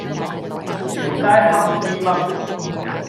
條街黑咪蚊